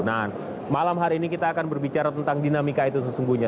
nah malam hari ini kita akan berbicara tentang dinamika itu sesungguhnya